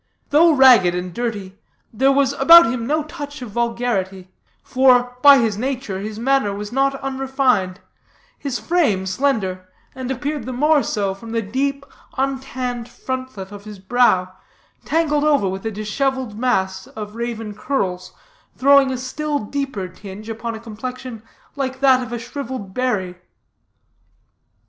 Though ragged and dirty, there was about him no touch of vulgarity; for, by nature, his manner was not unrefined, his frame slender, and appeared the more so from the broad, untanned frontlet of his brow, tangled over with a disheveled mass of raven curls, throwing a still deeper tinge upon a complexion like that of a shriveled berry.